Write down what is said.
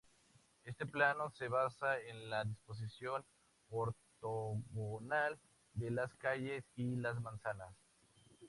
Este plano se basa en la disposición ortogonal de las calles y las manzanas.